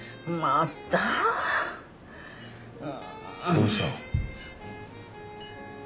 どうしたの？